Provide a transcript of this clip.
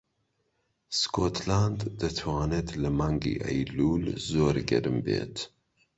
سکۆتلاند دەتوانێت لە مانگی ئەیلوول زۆر گەرم بێت.